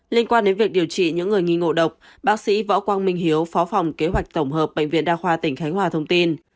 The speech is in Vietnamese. liên quan đến việc điều trị những người nghi ngộ độc bác sĩ võ quang minh hiếu phó phòng kế hoạch tổng hợp bệnh viện đa khoa tỉnh khánh hòa thông tin